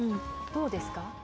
どうですか？